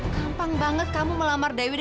gampang banget kamu melamar dewi dengan cikgu